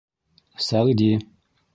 Сәғди: